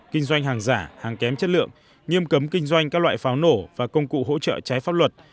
kinh doanh hàng giả hàng kém chất lượng nghiêm cấm kinh doanh các loại pháo nổ và công cụ hỗ trợ trái pháp luật